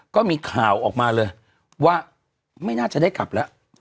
ก็มีข่าวออกมาเลยว่าไม่น่าจะได้กลับแล้ว